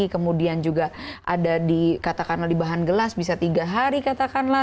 kemudian juga ada di katakanlah di bahan gelas bisa tiga hari katakanlah